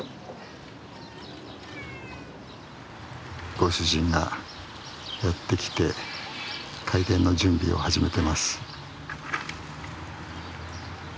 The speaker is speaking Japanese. ご主人がやって来て開店の準備を始めてます。